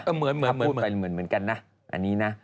ถ้าพูดไปเหมือนเหมือนกันนะอันนี้นะ